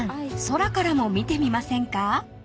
空からも見てみませんか？］